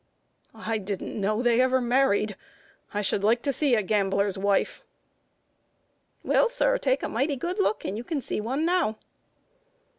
"I didn't know they ever married. I should like to see a gambler's wife." "Well, sir, take a mighty good look, and you can see one now."